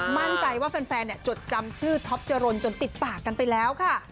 มั่นใจว่าแฟนจดจำชื่อท็อปจรนจนติดปากกันไปแล้วค่ะ